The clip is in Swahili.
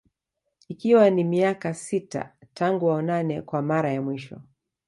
Ikiwa ni miaka sita tangu waonane kwa Mara ya mwisho